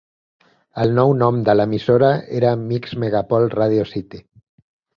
El nou nom de l'emissora era Mix Megapol Radio City.